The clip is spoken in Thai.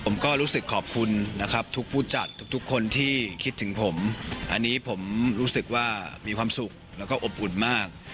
ผมก็รู้สึกขอบคุณนะครับทุกผู้จัดทุกคนที่คิดถึงผมอันนี้ผมรู้สึกว่ามีความสุขแล้วก็อบอุ่นมาก